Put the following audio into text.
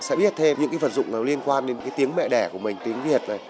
sẽ biết thêm những cái vận dụng liên quan đến cái tiếng mẹ đẻ của mình tiếng việt này